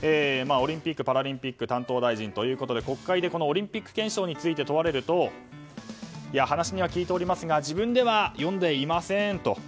オリンピック・パラリンピック担当大臣ということで国会でオリンピック憲章について問われると話には聞いておりますが自分では読んでいませんと。